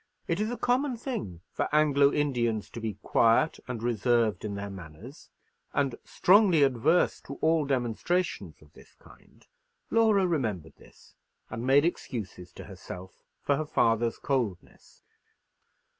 It is a common thing for Anglo Indians to be quiet and reserved in their manners, and strongly adverse to all demonstrations of this kind. Laura remembered this, and made excuses to herself for her father's coldness.